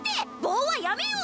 棒はやめよ！